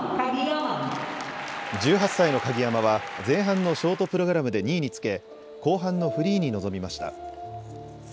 １８歳の鍵山は前半のショートプログラムで２位につけ、後半のフリーに臨みました。